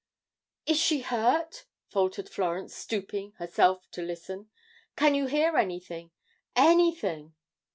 "Is she hurt?" faltered Florence, stooping, herself, to listen. "Can you hear anything anything?"